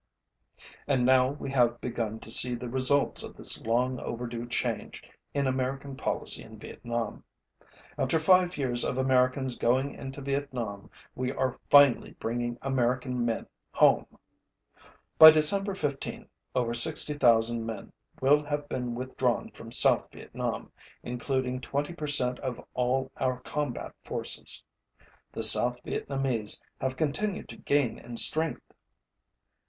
And now we have begun to see the results of this long overdue change in American policy in Vietnam. After five years of Americans going into Vietnam we are finally bringing American men home. By December 15 over 60,000 men will have been withdrawn from South Vietnam, including 20 percent of all of our combat forces. The South Vietnamese have continued to gain in strength.